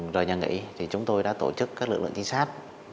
rồi nhà nghỉ thì chúng tôi đã tổ chức các lực lượng trinh sát